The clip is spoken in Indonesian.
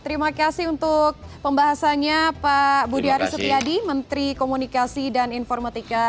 terima kasih untuk pembahasannya pak budi ari setiadi menteri komunikasi dan informatika